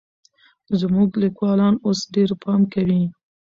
زموږ ليکوالان اوس ډېر پام کوي.